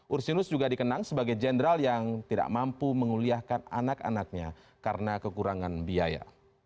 ursinus juga dikenang sebagai jenderal yang tidak mampu menguliahkan anak anaknya karena kekurangan biaya